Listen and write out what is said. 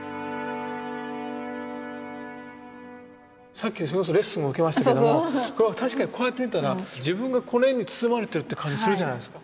さっきそれこそレッスンを受けましたけどもこれは確かにこうやって見たら自分がこの絵に包まれてるって感じするじゃないですか。